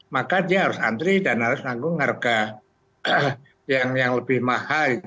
maka dia harus antri dan harus langsung harga yang lebih mahal